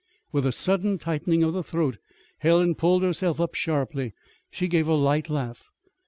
With a sudden tightening of the throat Helen pulled herself up sharply. She gave a light laugh.